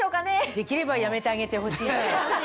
できればやめてあげてほしい。